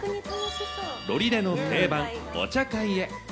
ロリデの定番、お茶会へ。